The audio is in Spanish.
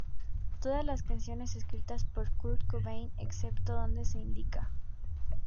Todas las canciones escritas por Kurt Cobain excepto donde se indica.